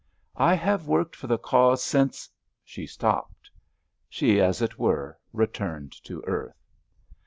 "I have worked for the cause since——" she stopped. She, as it were, returned to earth.